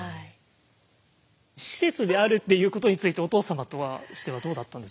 施設であるっていうことについてお父様としてはどうだったんですか？